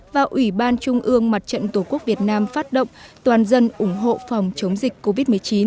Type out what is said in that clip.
và ủy ban trung ương mặt trận tổ quốc việt nam phát động toàn dân ủng hộ phòng chống dịch covid một mươi chín